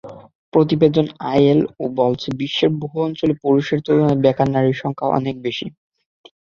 প্রতিবেদনে আইএলও বলছে, বিশ্বের বহু অঞ্চলে পুরুষের তুলনায় বেকার নারীর সংখ্যা অনেক বেশি।